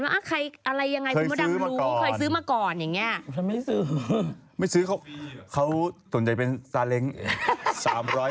ผ่านหน้าฉันก็เหมือสั่นแล้วเนี่ย